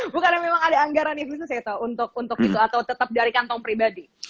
bukannya memang ada anggaran nih khusus ya toh untuk itu atau tetap dari kantong pribadi